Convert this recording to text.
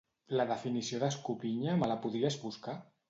La definició d'escopinya me la podries buscar?